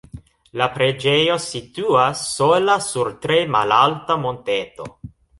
La preĝejo situas sola sur tre malalta monteto.